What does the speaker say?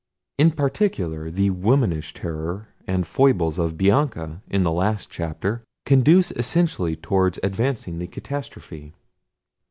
In particular, the womanish terror and foibles of Bianca, in the last chapter, conduce essentially towards advancing the catastrophe.